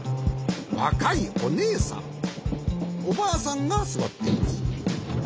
わかいおねえさんおばあさんがすわっています。